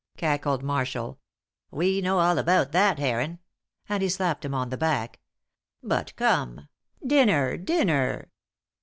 cackled Marshall. "We know all about that Heron," and he slapped him on the back. "But come! Dinner dinner!"